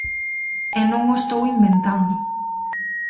E non o estou inventando.